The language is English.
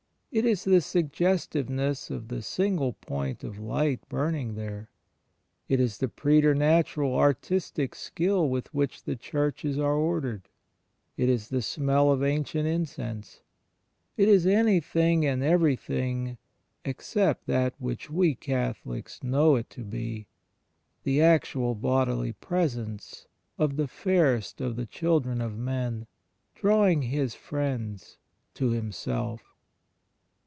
It is the suggestiveness of the single point of light btiming there! It is the preter natural artistic skill with which the churches are ordered I It is the smell of ancient incense! It is anything and everything except that which we Catholics know it to be — the actual bodily Presence of the Fairest of the children of men, drawing His friends to Himself!